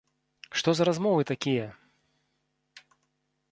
Што за размовы такія?!